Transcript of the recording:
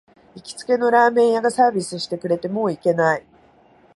行きつけのラーメン屋がサービスしてくれて、もう行けない